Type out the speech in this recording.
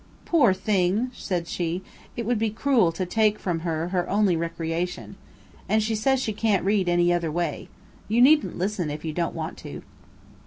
"Poor thing!" said she; "it would be cruel to take from her her only recreation. And she says she can't read any other way. You needn't listen if you don't want to."